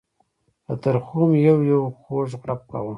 له ترخو مې یو یو خوږ غړپ کاوه.